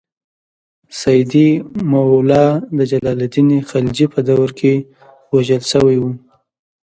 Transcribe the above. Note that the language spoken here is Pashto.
سیدي مولا د جلال الدین خلجي په دور کې وژل شوی و.